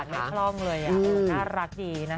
น่ารักดีนะคะ